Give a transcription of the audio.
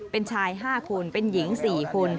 เป็นชาย๕คนเป็นหญิง๔คน